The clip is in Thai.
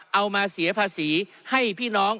เอามาเสียภาษีให้พี่น้อง